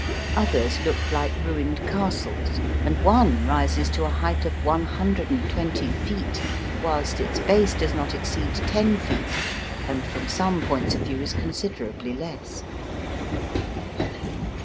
Others looked like ruined castles, and one rises to a height of one hundred and twenty feet, whilst its base does not exceed ten feet, and from some points of view is considerably less.